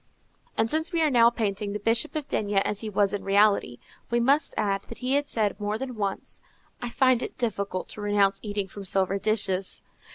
And since we are now painting the Bishop of D—— as he was in reality, we must add that he had said more than once, "I find it difficult to renounce eating from silver dishes."